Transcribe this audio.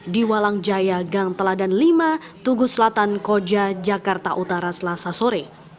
di walang jaya gang teladan lima tugu selatan koja jakarta utara selasa sore